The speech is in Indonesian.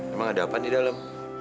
emang ada apa di dalam